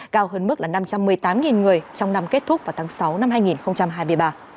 cao hơn mức là năm trăm một mươi tám người trong năm kết thúc vào tháng sáu năm hai nghìn hai mươi ba